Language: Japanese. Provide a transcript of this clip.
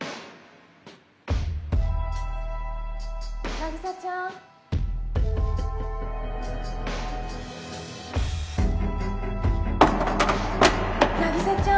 ・凪沙ちゃん！・・凪沙ちゃん！